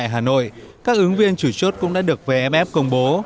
hà nội các ứng viên chủ chốt cũng đã được vff công bố